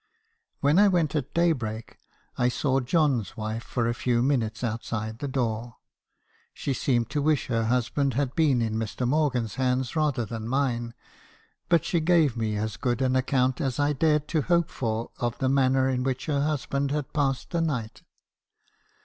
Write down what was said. "When I went at daybreak, I saw John's wife for a few minutes outside of the door. She seemed to wish her husband had been in Mr. Morgan's hands rather than mine; but she gave me as good an account as I dared to hope for of the manner in which her husband had passed the night.